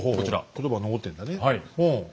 言葉が残ってんだねほう。